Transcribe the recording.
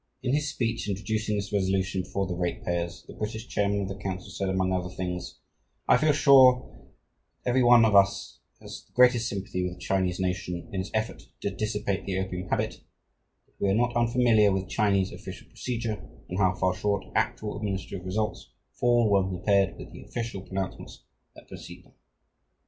In his speech introducing this resolution before the ratepayers, the British chairman of the council said, among other things, "I feel sure that every one of us has the greatest sympathy with the Chinese nation in its effort to dissipate the opium habit, but we are not unfamiliar with Chinese official procedure, and how far short actual administrative results fall when compared with the official pronouncements that precede them.